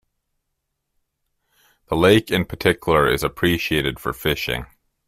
The lake in particular is appreciated for fishing.